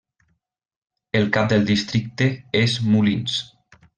El cap del districte és Moulins.